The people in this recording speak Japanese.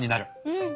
うん！